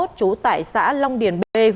trú tại xã long điền hồ chí minh